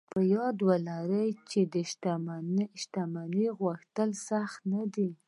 په یاد و لرئ چې د شتمنۍ غوښتل سخت نه دي